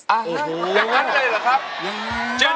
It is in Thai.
อย่างนั้นเลยเหรอครับ